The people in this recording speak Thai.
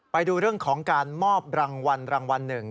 ไปดูเรื่องของการมอบรางวัลรางวัลหนึ่ง